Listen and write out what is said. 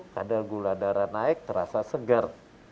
kadar gula darah naik terasa segar